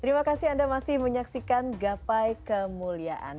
terima kasih anda masih menyaksikan gapai kemuliaan